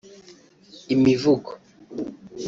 Imivugo